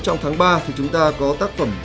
trong tháng ba thì chúng ta có tác phẩm